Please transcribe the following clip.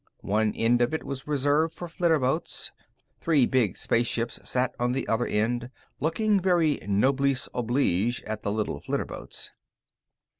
One end of it was reserved for flitterboats; three big spaceships sat on the other end, looking very noblesse oblige at the little flitterboats.